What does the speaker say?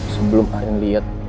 sebelum arjen liat